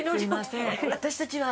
私たちは。